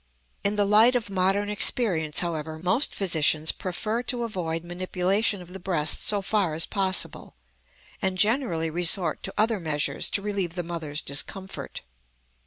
In the light of modern experience, however, most physicians prefer to avoid manipulation of the breast so far as possible, and generally resort to other measures to relieve the mother's discomfort.